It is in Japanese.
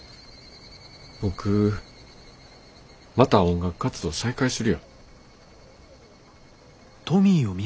僕また音楽活動を再開するよ。